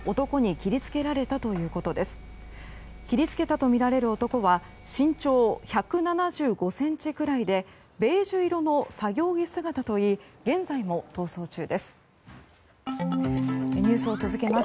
切り付けたとみられる男は身長１７５ｃｍぐらいでベージュ色の作業着姿といい現在も逃走中です。